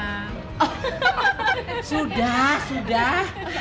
oh sudah sudah